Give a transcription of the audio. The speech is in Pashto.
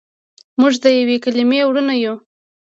موږ دیوې کلیمې وړونه یو.